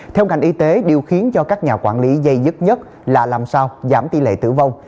theo ngành y tế điều khiến cho các nhà quản lý dây dứt nhất là làm sao giảm tỷ lệ tử vong